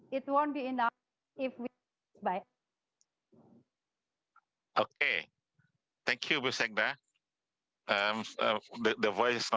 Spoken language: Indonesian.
jika bisnis anda berhubungan dengan keinginan